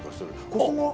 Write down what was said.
ここが？